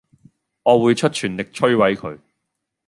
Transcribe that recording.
我會出全力摧毀佢